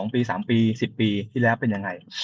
๒ปี๓ปี๑๐ปีที่แล้วเป็นยังไง